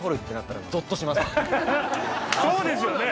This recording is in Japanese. そうですよね！